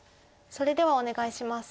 それではお願いします。